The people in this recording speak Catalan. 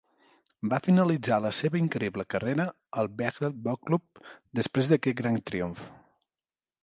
Va finalitzar la seva increïble carrera al Vejle Boldklub després d'aquest gran triomf.